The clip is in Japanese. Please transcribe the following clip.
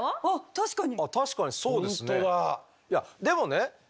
確かに。